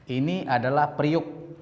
ini adalah periuk